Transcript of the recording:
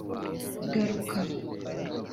Garuka